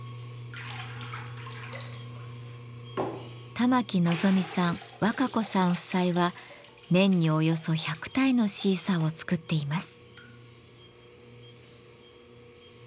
玉城望さん若子さん夫妻は年におよそ１００体のシーサーを作っています。